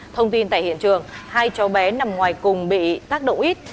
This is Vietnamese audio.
thông tin tại hiện trường hai cháu bé nằm ngoài cùng bị tác động ít